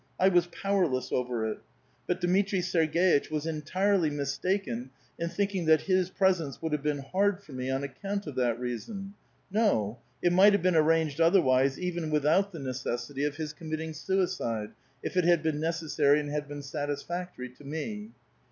1 was powerless over it. But Dmitri Sergeitch was entirely mistaken in thinking that his presence would have been hard for me on account of that reason. No ; it migbt have been arranged otherwise even without the necessity of his committing suicide, if it had been necessary and had been satisfactory to me.